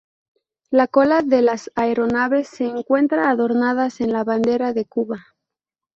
La cola de las aeronaves se encuentra adornadas con la bandera de cuba.